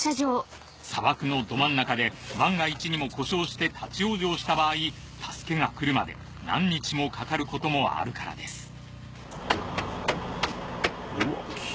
砂漠のど真ん中で万が一にも故障して立ち往生した場合助けが来るまで何日もかかることもあるからです